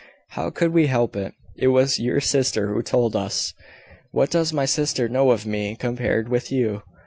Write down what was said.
"How could we help it? It was your sister who told us." "What does my sister know of me compared with you?